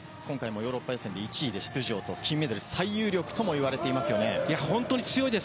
今回もヨーロッパ予選１位で出場と、金メダル最有力といわれてい本当に強いです。